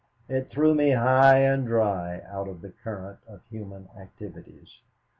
It threw me high and dry out of the current of human activities.